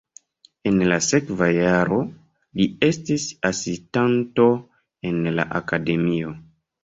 En la sekva jaro li estis asistanto en la akademio.